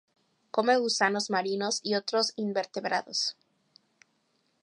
Come gusanos marinos y otros invertebrados.